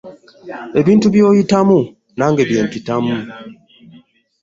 Ebintu byoyitamu nange byempitamu.